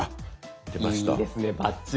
いいですねバッチリです。